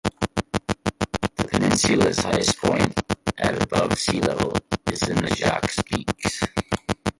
The peninsula's highest point, at above sea level, is in the Jacques Peaks.